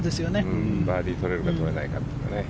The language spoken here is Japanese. バーディー取れるか取れないか。